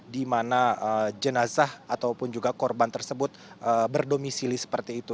dimana jenazah ataupun juga korban tersebut berdomisili seperti itu